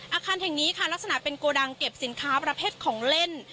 อาคารแห่งนี้ค่ะลักษณะเป็นโกดังเก็บสินค้าประเภทของเล่น